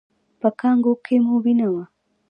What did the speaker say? په کانګو کې مو وینه وه؟